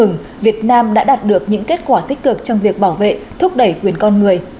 mừng việt nam đã đạt được những kết quả tích cực trong việc bảo vệ thúc đẩy quyền con người